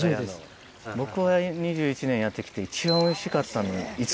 僕は２１年やって来て一番おいしかったのいつ？